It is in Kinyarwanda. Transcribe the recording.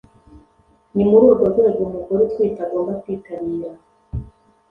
Ni muri urwo rwego umugore utwite agomba kwitabira